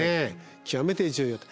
極めて重要で。